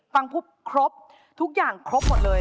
ฟังปุ๊บครบทุกอย่างครบหมดเลย